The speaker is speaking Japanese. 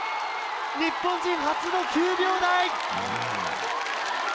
日本人初の９秒台！